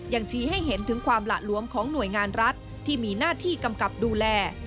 ชี้ให้เห็นถึงความหละหลวมของหน่วยงานรัฐที่มีหน้าที่กำกับดูแล